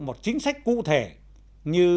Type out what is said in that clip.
một chính sách cụ thể như